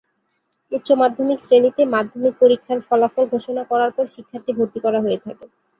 উচ্চমাধ্যমিক শ্রেণিতে মাধ্যমিক পরীক্ষার ফলাফল ঘোষণা করার পর শিক্ষার্থী ভর্তি করা হয়ে থাকে।